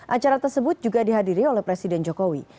acara tersebut juga dihadiri oleh presiden jokowi